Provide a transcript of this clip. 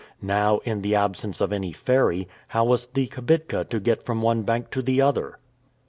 Now, in the absence of any ferry, how was the kibitka to get from one bank to the other?